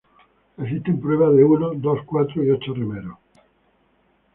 Existen pruebas de uno, dos, cuatro y ocho remeros.